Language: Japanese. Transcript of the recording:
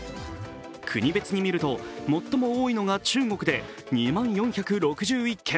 国別に見ると、最も多いのが中国で２万４６１件。